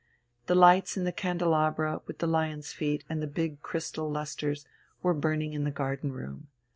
The lights in the candelabra with the lions' feet and the big crystal lustres were burning in the garden room.